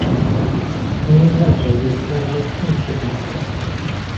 Nie inaczej jest także w tym przypadku